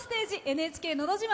「ＮＨＫのど自慢」